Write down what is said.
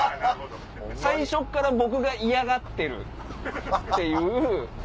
最初っから僕が嫌がってるっていう。